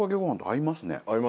合いますね。